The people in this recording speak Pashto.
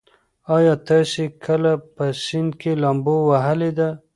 ایا تاسي کله په سیند کې لامبو وهلې ده؟